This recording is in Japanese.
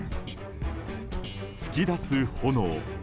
噴き出す炎。